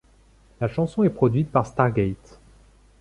La chanson est produite par Stargate.